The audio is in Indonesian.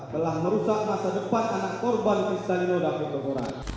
telah merusak masa depan anak korban di stalino davidovora